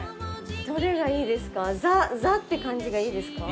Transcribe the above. どれがいいですか？